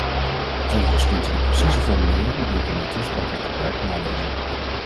Overigens kunt u de precieze formulering die ik in mijn toespraak heb gebruikt, nalezen.